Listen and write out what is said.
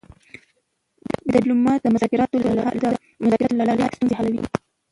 ډيپلومات د مذاکراتو له لارې ستونزې حلوي.